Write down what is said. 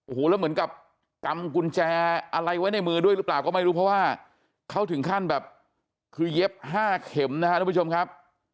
โอ้โหแล้วเหมือนกับกำกุญแจอะไรไว้ในมือด้วยหรือเปล่าก็ไม่รู้เพราะว่าเขาถึงขั้นแบบคือเย็บ๕เข็มนะครับทุกผู้ชมครับ